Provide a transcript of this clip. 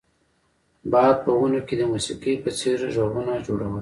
باد په ونو کې د موسیقۍ په څیر غږونه جوړول